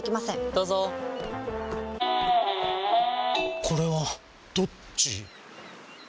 どうぞこれはどっち？